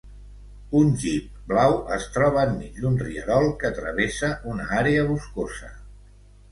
Un jeep blau es troba enmig d'un rierol que travessa una àrea boscosa.